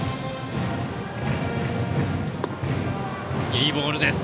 いいボールです！